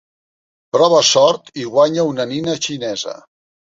Prova sort i guanya una nina xinesa.